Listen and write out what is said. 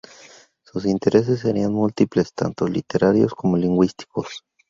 Sus intereses serían múltiples, tanto literarios como lingüísticos.